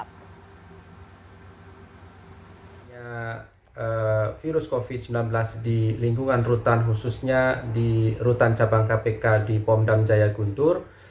pada saat ini virus covid sembilan belas di lingkungan rutan khususnya di rutan cabang kpk di pom dam jaya guntur